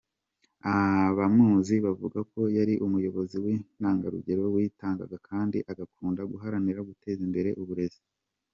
Abamuzi bavuga ko yari umuyobozi w’intangarugero witangaga kandi agakunda guharanira guteza imbere uburezi.